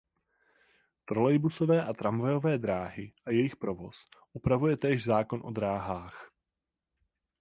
Trolejbusové a tramvajové dráhy a jejich provoz upravuje též Zákon o dráhách.